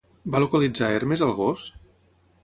Va localitzar Hermes al gos?